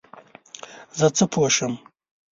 زه څه پوه شم ؟